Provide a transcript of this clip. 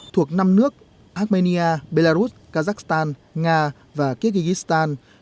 thuộc năm nước armenia belarus kazakhstan nga và kyrgyzstan